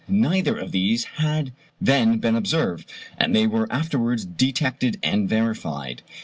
Neither of these had then been observed, but they were afterwards detected and verified.